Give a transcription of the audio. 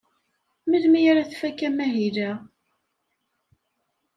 Melmi ara tfak amahil-a?